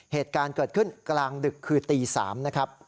เหตุการณ์เกิดขึ้นกลางดึกคือตี๓นะครับ